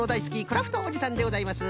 クラフトおじさんでございます。